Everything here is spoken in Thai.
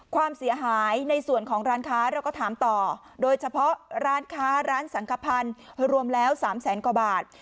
ความเสียหายในส่วนของร้านค้าเราก็ถามต่อโดยเฉพาะร้านค้าร้านสังขพันธ์รวมแล้ว๓แสนกว่าบาท